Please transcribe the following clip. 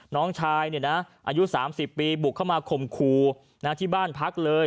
น้องชายอายุ๓๐ปีบุกเข้ามาข่มขู่ที่บ้านพักเลย